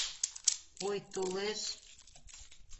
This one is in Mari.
Ой, толеш...